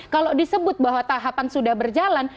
kalau disebut bahwa tahapan sudah berjalan